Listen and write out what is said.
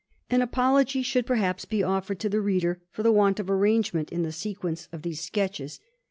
An apology should, perhaps, be offered to the reader for the want of arrangement in the sequence of these sketches.